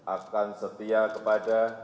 akan setia kepada